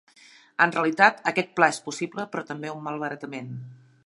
En realitat, aquest pla és possible, però també un malbaratament.